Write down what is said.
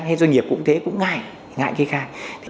hay doanh nghiệp cũng thế cũng ngại ngại kê khai